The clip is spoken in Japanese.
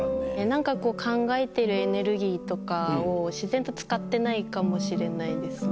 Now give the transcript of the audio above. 何か考えてるエネルギーとかを自然と使ってないかもしれないですね。